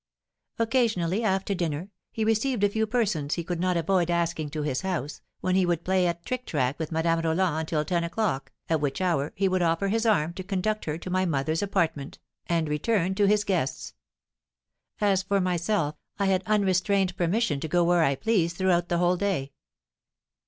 Occasionally, after dinner, he received a few persons he could not avoid asking to his house, when he would play at tric trac with Madame Roland until ten o'clock, at which hour he would offer his arm to conduct her to my mother's apartment, and return to his guests. As for myself, I had unrestrained permission to go where I pleased throughout the whole day.